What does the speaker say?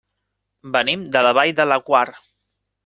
Venim de la Vall de Laguar.